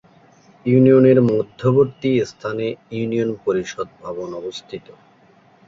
ইউনিয়নের মধ্যবর্তী স্থানে ইউনিয়ন পরিষদ ভবন অবস্থিত।